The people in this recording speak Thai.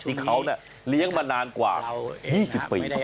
ที่เขาเลี้ยงมานานกว่า๒๐ปี